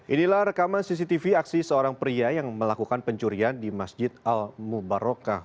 inilah rekaman cctv aksi seorang pria yang melakukan pencurian di masjid al mubarokah